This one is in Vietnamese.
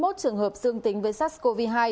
hai mươi một trường hợp dương tính với sars cov hai